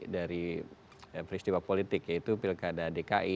dari peristiwa politik yaitu pilkada dki